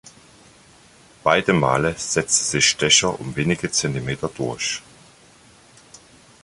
Beide Male setzte sich Stecher um wenige Zentimeter durch.